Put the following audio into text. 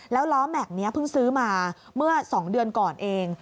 แล้วล้อแม็กซ์นี้เพิ่งซื้อมาเมื่อ๒เดือนก่อนเอง